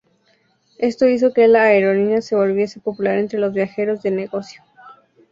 Esto hizo que la aerolínea se volviese popular entre los viajeros de negocio.